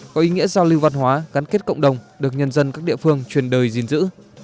có ý nghĩa giao lưu văn hóa gắn kết cộng đồng được nhân dân các địa phương truyền đời gìn giữ